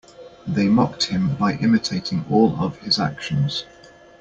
They mocked him by imitating all of his actions.